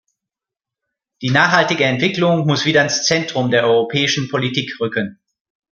Die nachhaltige Entwicklung muss wieder ins Zentrum der europäischen Politik rücken.